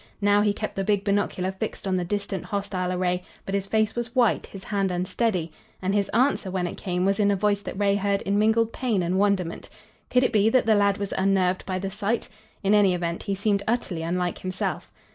Now he kept the big binocular fixed on the distant hostile array, but his face was white, his hand unsteady and his answer, when it came, was in a voice that Ray heard in mingled pain and wonderment. Could it be that the lad was unnerved by the sight? In any event, he seemed utterly unlike himself.